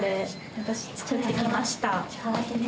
私作ってきました。